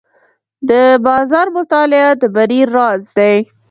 د بازار مطالعه د بری راز دی.